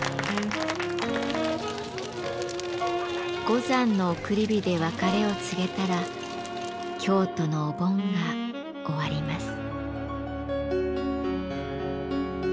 五山の送り火で別れを告げたら京都のお盆が終わります。